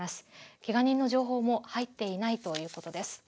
けが人の情報も入っていないということです。